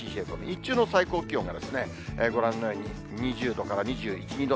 日中の最高気温が、ご覧のように、２０度から２１、２度。